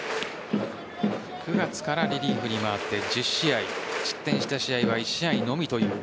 ９月からリリーフに回って１０試合失点した試合は１試合のみという。